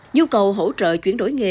nhu cầu hỗ trợ chuyển đổi nghề